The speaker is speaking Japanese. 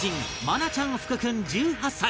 愛菜ちゃん福君１８歳